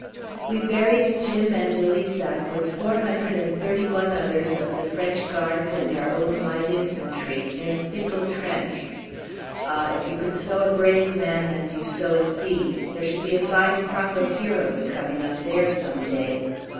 We buried Jim and de Lissac with four hundred and thirty one others of the French Guards and our own Light Infantry in a single trench. Ah! if you could sow a brave man as you sow a seed, there should be a fine crop of heroes coming up there some day!